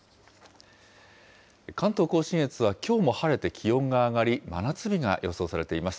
関東甲信越はきょうも晴れて気温が上がり、真夏日が予想されています。